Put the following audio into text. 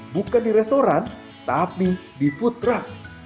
bukan di restoran tapi di food truck